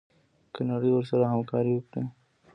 که نړۍ ورسره همکاري وکړي.